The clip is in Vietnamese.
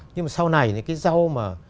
nhưng mà sau này cái rau mà